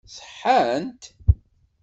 Ṣeḥḥant?